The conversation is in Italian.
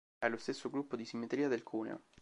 È lo stesso gruppo di simmetria del cuneo.